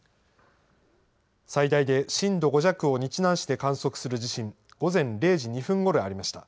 最大で震度５弱を日南市で観測する地震、午前０時２分ごろにありました。